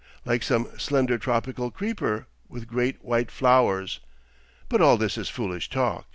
Like some slender tropical creeper—with great white flowers.... But all this is foolish talk.